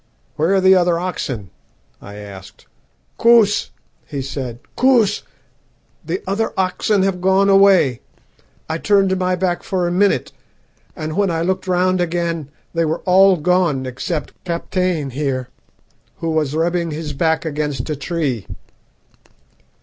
"'Where are the other oxen?' I asked. "'Koos!' he said, 'Koos! the other oxen have gone away. I turned my back for a minute, and when I looked round again they were all gone except Kaptein, here, who was rubbing his back against a tree.'